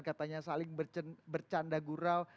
katanya saling bercanda gurau dan banyak cerita cerita muda